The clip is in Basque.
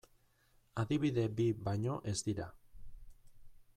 Adibide bi baino ez dira.